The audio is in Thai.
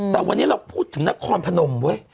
แต่วันนี้เราพูดถึงนครพนมเว้ย